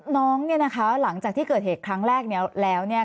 น้องเนี่ยนะคะหลังจากที่เกิดเหตุครั้งแรกเนี่ยแล้วเนี่ย